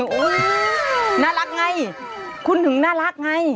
น่ารักไงคุณถึงน่ารักไง